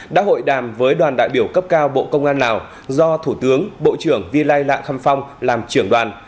đã hội đàm với đoàn đại biểu cấp cao bộ công an lào do thủ tướng bộ trưởng vi lai lạ khăm phong làm trưởng đoàn